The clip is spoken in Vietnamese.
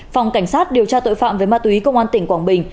phòng cảnh sát điều tra tội phạm về ma túy công an tỉnh quảng bình